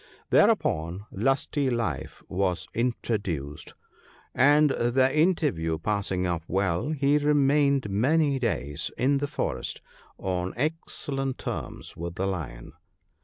" Thereupon Lusty life was introduced, and, the inter view passing off well, he remained many days in the forest on excellent terms with the Lion.